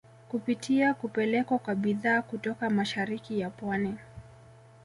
Kupitia kupelekwa kwa bidhaa kutoka mashariki ya pwani